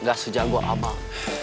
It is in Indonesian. gak sejauh gue amal